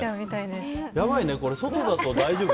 やばいね、これ外だと大丈夫？